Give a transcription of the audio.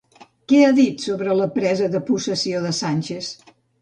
Què ha dit sobre la presa de possessió de Sánchez?